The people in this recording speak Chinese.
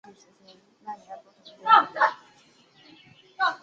而海滩德军兵力为一个团。